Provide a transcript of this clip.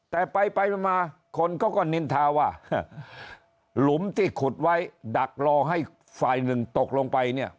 แต่ไปไปมาคนเขาก็นินทาว่าหลุมที่ขุดไว้ดักรอให้ฝ่ายหนึ่งตกลงไปเนี่ย